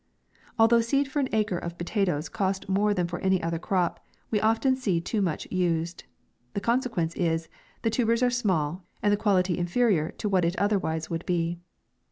Although seed for an acre of potatoes costs more than for any other crop, we often see too much used. The consequence is, the tubers are small, and the quality inferior to what it otherwise would be.